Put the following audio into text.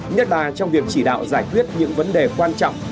nhất là trong việc chỉ đạo giải quyết những vấn đề quan trọng